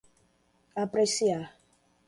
apreciar